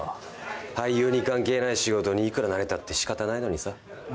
俳優に関係ない仕事にいくら慣れたって仕方ないのにさ。